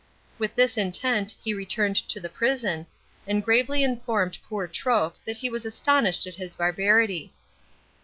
With this intent he returned to the prison, and gravely informed poor Troke that he was astonished at his barbarity.